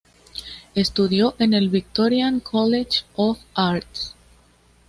Estudió en el Victorian College of Arts.